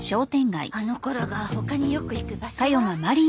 あの子らが他によく行く場所は。